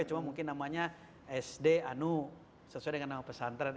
cuma mungkin namanya sd anu sesuai dengan nama pesantren